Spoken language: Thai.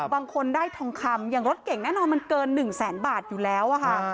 บางคนได้ทองคำอย่างรถเก่งแน่นอนมันเกิน๑แสนบาทอยู่แล้วค่ะ